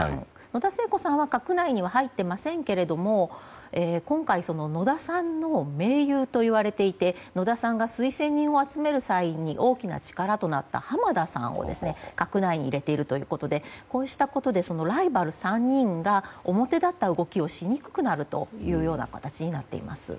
野田聖子さんは閣内には入っていませんが今回、野田さんの盟友といわれていて野田さんが推薦人を集める際に大きな力となった浜田さんを閣内に入れているということでこうしたことで、ライバル３人が表立った動きをしにくくなるという形になっています。